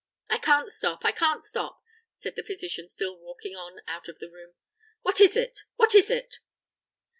"I can't stop! I can't stop!" said the physician, still walking on out of the room. "What is it! What is it?"